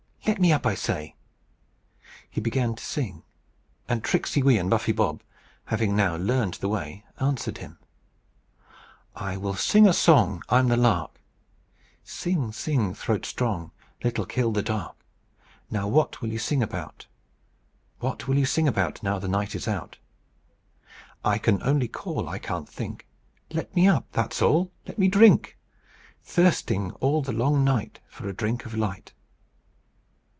Let me up, I say." He began to sing; and Tricksey Wee and Buffy Bob, having now learned the way, answered him: "I will sing a song. I'm the Lark." "Sing, sing, Throat strong, Little Kill the dark. What will you sing about, Now the night is out?" "I can only call; I can't think. Let me up that's all. Let me drink! Thirsting all the long night For a drink of light."